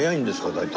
大体。